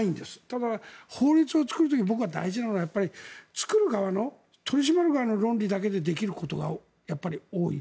ただ、法律を作る時に僕は大事なのは作る側、取り締まる側の論理だけでできることがやっぱり多い。